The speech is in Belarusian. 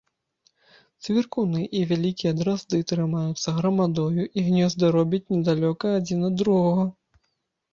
Цвіркуны і вялікія дразды трымаюцца грамадою і гнёзды робяць недалёка адзін ад другога.